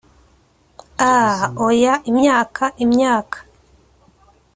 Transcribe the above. ah, oya; imyaka, imyaka